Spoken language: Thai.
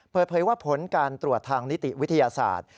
เปิดเผยว่าผลการตรวจทางนิติวิทยาศาสตร์